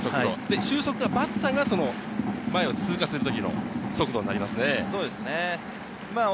終速はバッターの前を通過する時の速度になりますね。